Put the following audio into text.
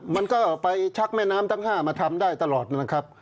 มันก็ไปชักแม่น้ำทั้ง๕มาทำได้ตลอดนะครับ